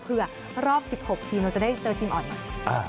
เพื่อรอบ๑๖ทีมเราจะได้เจอทีมอ่อนใหม่